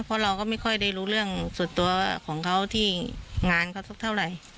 เพราะเราก็ไม่ค่อยได้รู้เรื่องส่วนตัวของเขาที่งานเขาสักเท่าไหร่